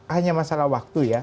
hanya masalah waktu ya